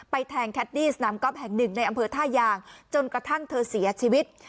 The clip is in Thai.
แทงแคดดี้สนามก๊อฟแห่งหนึ่งในอำเภอท่ายางจนกระทั่งเธอเสียชีวิต